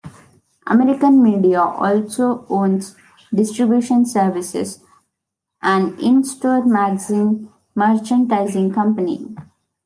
American Media also owns Distribution Services, an in-store magazine merchandising company.